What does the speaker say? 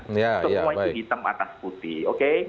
semuanya di hitam atas putih oke